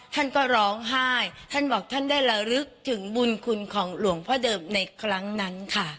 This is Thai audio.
ท่านก็ร้องไห้ท่านบอกท่านได้ระลึกถึงบุญคุณของหลวงพ่อเดิมในครั้งนั้นค่ะ